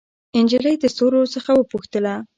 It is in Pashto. نجلۍ د ستورو څخه وپوښتله